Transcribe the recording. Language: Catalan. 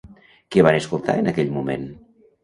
Què van escoltar en aquell moment?